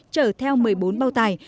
chở theo một mươi bốn bao tài